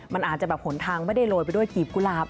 มันอาจจะแบบหนทางไม่ได้โรยไปด้วยกีบกุหลาบ